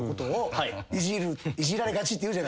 いじられがちっていうじゃないですか。